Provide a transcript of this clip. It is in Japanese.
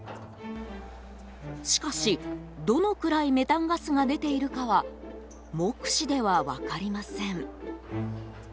しかし、どのくらいメタンガスが出ているかは目視では分かりません。